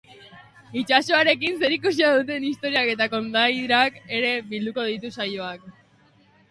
Itsasoarekin zerikusia duten historiak eta kondairak ere bilduko ditu saioak.